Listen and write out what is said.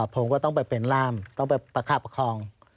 ผมก็ต้องไปเป็นร่ามต้องไปประคับประคอง